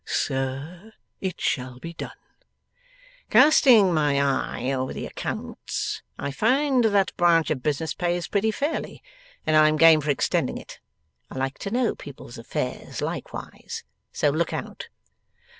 'Sir, it shall be done.' 'Casting my eye over the accounts, I find that branch of business pays pretty fairly, and I am game for extending it. I like to know people's affairs likewise. So look out.